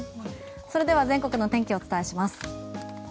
それでは全国の天気をお伝えします。